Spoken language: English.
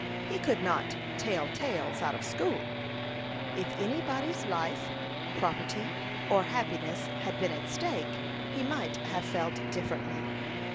He could not "tell tales out of school." If any body's life, property, or happiness had been at stake, he might have felt differently.